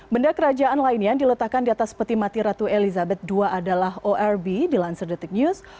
benda kerajaan lainnya yang diletakkan di atas peti mati ratu elizabeth ii adalah orb di lansir detik news